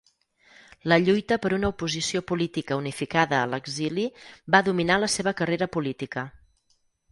La lluita per una oposició política unificada a l'exili va dominar la seva carrera política.